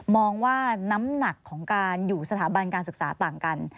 มองว่าน้ำหนักของการอยู่สถาบันการศึกษาต่างกัน